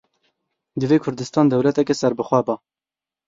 Divê Kurdistan dewleteke serbixwe ba.